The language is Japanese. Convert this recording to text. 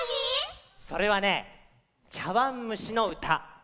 それはね「ちゃわんむしのうた」。